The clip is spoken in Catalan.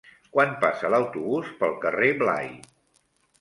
Quan passa l'autobús pel carrer Blai?